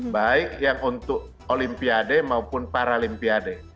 baik yang untuk olimpiade maupun paralimpiade